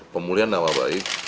pemulihan nama baik